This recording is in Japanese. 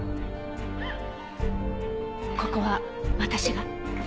ここは私が。